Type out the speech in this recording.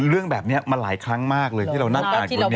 เรื่องแบบนี้มาหลายครั้งมากเลยที่เรานั่งอ่านกัน